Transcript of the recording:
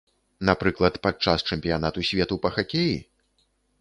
Напрыклад, падчас чэмпіянату свету па хакеі?